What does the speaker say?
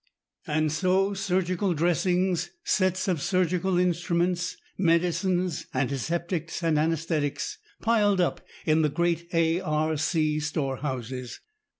And so surgical dressings, sets of surgical instruments, medicines, antiseptics, and anæsthetics piled up in the great A. R. C. store houses.